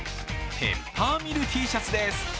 ペッパーミルＴシャツです。